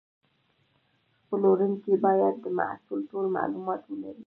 پلورونکی باید د محصول ټول معلومات ولري.